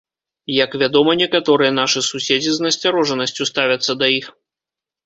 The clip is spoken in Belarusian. Як вядома, некаторыя нашы суседзі з насцярожанасцю ставяцца да іх.